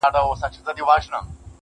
اوښکي نه راتویومه خو ژړا کړم~